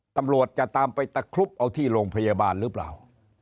ตำรวจจะตามไปตะครุบเอาที่โรงพยาบาลหรือเปล่า